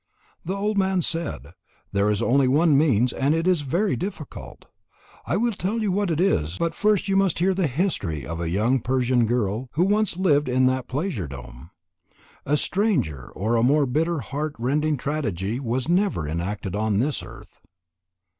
The old man said: "There is only one means, and that is very difficult. I will tell you what it is, but first you must hear the history of a young Persian girl who once lived in that pleasure dome. A stranger or a more bitterly heart rending tragedy was never enacted on this earth."